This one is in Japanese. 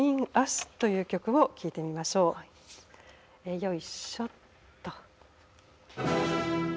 よいしょっと。